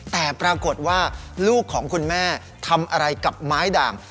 แต่ปรากฏว่าลูกของคุณแม่ทำอะไรกับไม้ด่าง